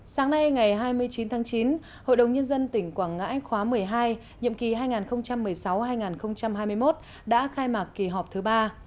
sáng nay ngày hai mươi chín tháng chín hội đồng nhân dân tỉnh quảng ngãi khóa một mươi hai nhiệm kỳ hai nghìn một mươi sáu hai nghìn hai mươi một đã khai mạc kỳ họp thứ ba